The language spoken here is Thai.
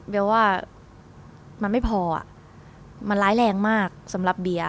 เบียว่ามันไม่พออ่ะมันร้ายแรงมากสำหรับเบีย